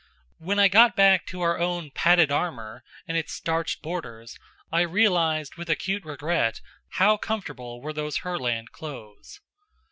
When I got back to our own padded armor and its starched borders I realized with acute regret how comfortable were those Herland clothes.